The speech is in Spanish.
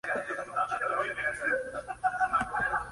San Martín tenía gran afecto por Brandsen, de quien era compadre.